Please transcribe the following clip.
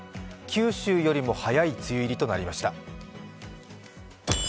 九州よりも早い梅雨入りとなりました。